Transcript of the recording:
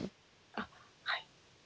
あっはい。